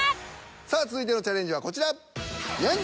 さあ続いてのチャレンジはこちら。